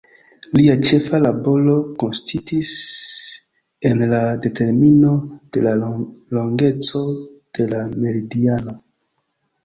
Lia ĉefa laboro konsistis en la determino de la longeco de la meridiano.